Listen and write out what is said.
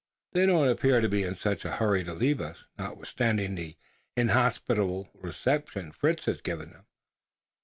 They don't appear to be in such a hurry to leave us notwithstanding the inhospitable reception Fritz has given them.